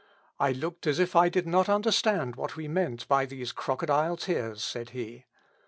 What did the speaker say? "I looked as if I did not understand what was meant by these crocodile tears," said he.